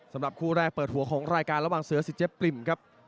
สำหรับคู่แรกเปิดหัวของรายการระหว่างเสือสิเจ๊ปริ่มครับ